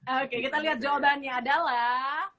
oke kita lihat jawabannya adalah